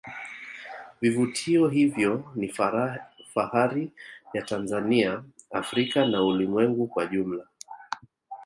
vivutio hivyo ni fahari ya tanzania africa na ulimwengu kwa ujumla